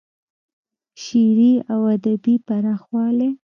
شعري او ادبي پراخوالی